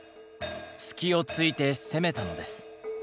隙をついて攻めたのです。